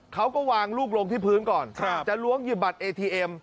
เขาก็วางลูกลงที่พื้นก่อนจะล้วงหยิบบัตรเอทีเอ็ม